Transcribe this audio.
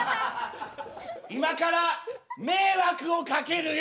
今から迷惑をかけるよ！